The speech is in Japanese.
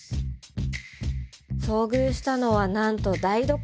遭遇したのはなんと台所。